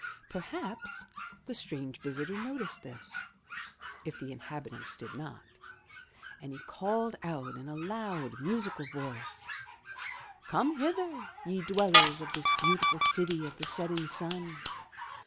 Perhaps the strange visitor noticed this, if the inhabitants did not, and he called out, in a loud, musical voice — Come hither, ye dwellers of this beautiful city of the setting Sim.